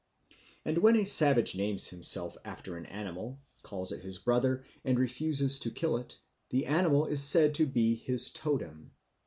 But when a savage names himself after an animal, calls it his brother, and refuses to kill it, the animal is said to be his totem.